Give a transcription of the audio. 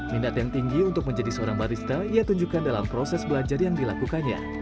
minat yang tinggi untuk menjadi seorang barista ia tunjukkan dalam proses belajar yang dilakukannya